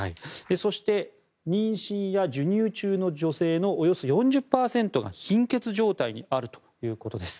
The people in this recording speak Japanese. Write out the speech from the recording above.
そして、妊娠や授乳中の女性のおよそ４０％が貧血状態にあるということです。